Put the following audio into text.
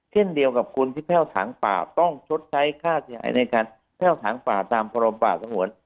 เครื่องเดียวกับคุณที่แพลวถางป่าต้องชดใช้ค่าเสียหายในการแพลวถางป่าตามประวัติศาสตร์อเมิน